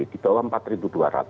di bawah rp empat dua ratus